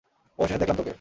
অবশেষে দেখলাম তোকে!